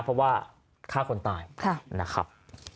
เพราะว่าฆ่าคนตายนะครับ